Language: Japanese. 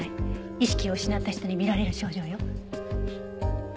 意識を失った人に見られる症状よ。